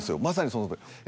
まさにその通り。